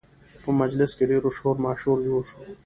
په مجلس کې ډېر شور ماشور جوړ شو